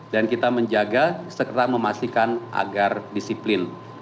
dan kita menjaga sekretar memastikan agar disiplin